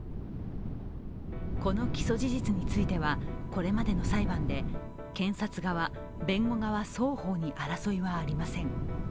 この起訴事実についてはこれまでの裁判で検察側弁護側双方に争いはありません。